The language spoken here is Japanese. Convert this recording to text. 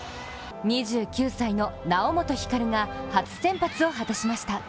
２９歳の猶本光が初先発を果たしました。